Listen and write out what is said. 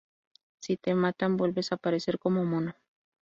Si te matan, vuelves a aparecer como mono.